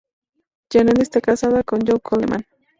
Janet está casada con Joe Coleman.